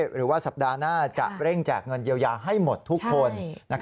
หรือว่าสัปดาห์หน้าจะเร่งแจกเงินเยียวยาให้หมดทุกคน